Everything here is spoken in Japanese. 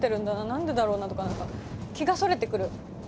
何でだろうな？」とか何か気がそれてくる。